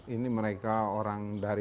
ini mereka orang dari